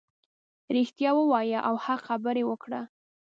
رښتیا ووایه او حق خبرې وکړه .